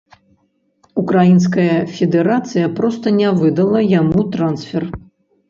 Украінская федэрацыя проста не выдала яму трансфер.